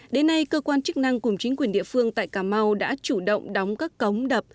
đến nay cơ quan chức năng cùng chính quyền địa phương tại cà mau đã chủ động đóng các cống đập